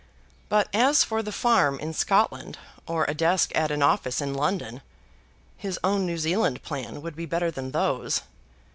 But as for the farm in Scotland, or a desk at an office in London, his own New Zealand plan would be better than those.